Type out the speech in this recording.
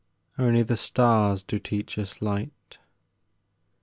Only the stars do teach us light.